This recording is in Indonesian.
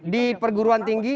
di perguruan tinggi